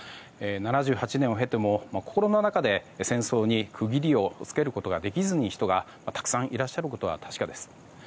７８年を経ても心の中で戦争に区切りをつけることができずにいる人がたくさんいらっしゃることは確かです。